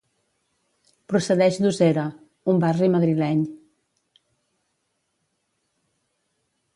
Procedeix d'Usera, un barri madrileny.